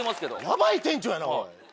やばい店長やなおい。